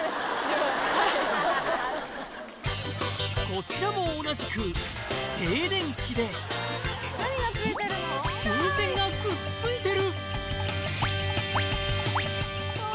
こちらも同じく静電気で風船がくっついてる！